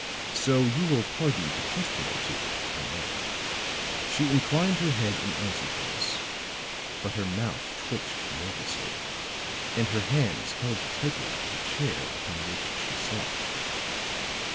So you will pardon a question or two, I know." She inclined her head in answer to this; but her mouth twitched nervously, and her hands held tightly to the chair upon which she sat.